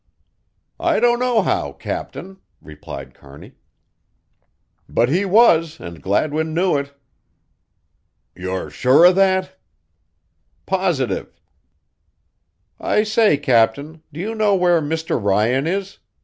"I don't know how, Captain," replied Kearney, "but he was and Gladwin knew it." "You're sure of that?" "Positive." "I say, captain, do you know where Mr. Ryan is?"